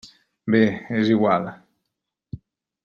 Bé, és igual.